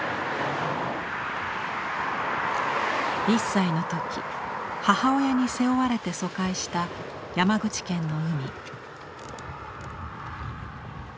１歳の時母親に背負われて疎開した山口県の海。